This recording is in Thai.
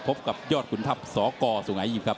พบกับยอดขุนทัพสกสุงหายิมครับ